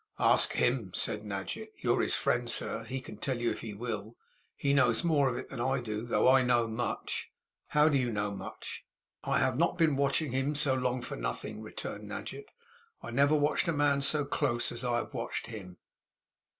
'Ask HIM,' said Nadgett. 'You're his friend, sir. He can tell you, if he will. He knows more of it than I do, though I know much.' 'How do you know much?' 'I have not been watching him so long for nothing,' returned Nadgett. 'I never watched a man so close as I have watched him.